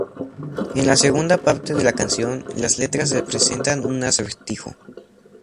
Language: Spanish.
En la segunda parte de la canción, las letras representan un acertijo.